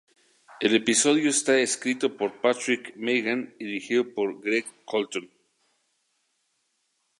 El episodio está escrito por Patrick Meighan y dirigido por Greg Colton.